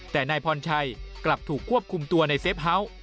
แต่นายพรชัยกลับถูกควบคุมตัวในเซฟเฮาส์